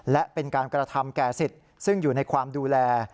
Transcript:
และเป็นการกระทำแก่สิทธิ์ซึ่งอยู่ในความดูแล